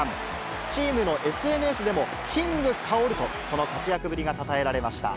チームのＳＮＳでもキングカオルと、その活躍ぶりがたたえられました。